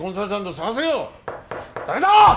誰だ！